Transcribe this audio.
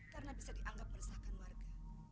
karena bisa dianggap meresahkan warga